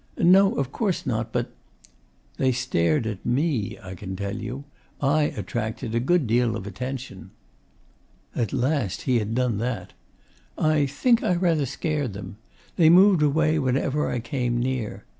'No, of course not. But ' 'They stared at ME, I can tell you. I attracted a great deal of attention.' At last he had done that! 'I think I rather scared them. They moved away whenever I came near.